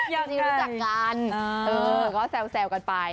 อย่างไรไม่รู้จักกันเออก็แซวกันไป